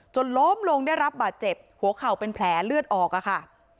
ล้มลงได้รับบาดเจ็บหัวเข่าเป็นแผลเลือดออกอะค่ะ